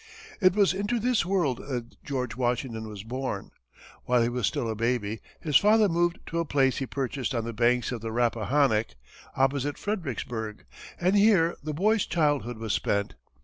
It was into this world that George Washington was born. While he was still a baby, his father moved to a place he purchased on the banks of the Rappahannock, opposite Fredericksburg, and here the boy's childhood was spent.